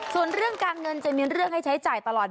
ส่วนเรื่องการเงินจะมีเรื่องให้ใช้จ่ายตลอด